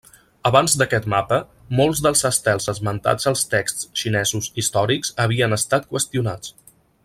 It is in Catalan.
Abans d'aquest mapa, molts dels estels esmentats als texts xinesos històrics havien estat qüestionats.